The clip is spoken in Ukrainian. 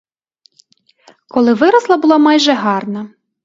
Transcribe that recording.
Коли виросла, була майже гарна.